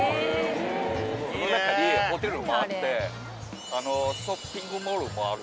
この中にホテルもあってショッピングモールもある。